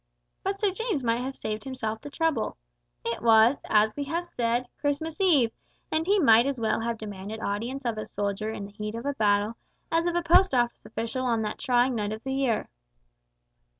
But Sir James might have saved himself the trouble. It was, as we have said, Christmas eve, and he might as well have demanded audience of a soldier in the heat of battle as of a Post Office official on that trying night of the year.